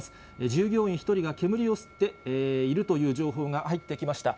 従業員１人が煙を吸っているという情報が入ってきました。